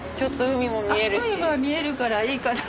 海が見えるからいいかな。